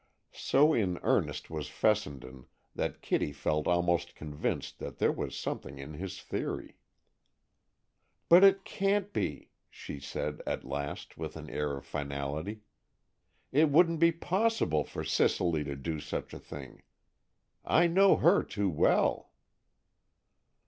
So in earnest was Fessenden that Kitty felt almost convinced there was something in his theory. "But it can't be," she said, at last, with an air of finality. "It wouldn't be possible for Cicely to do such a thing! I know her too well!"